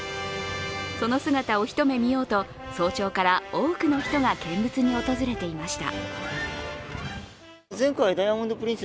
その姿をひと目見ようと早朝から多くの人が見物に訪れていました。